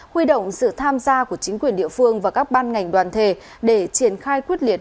huy động sự tham gia của chính quyền địa phương và các ban ngành đoàn thể để triển khai quyết liệt